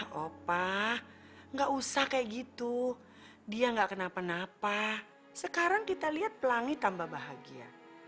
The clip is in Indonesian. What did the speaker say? nggak lupa nggak usah kayak gitu dia enggak kenapa napa sekarang kita lihat pelangi tambah bahagia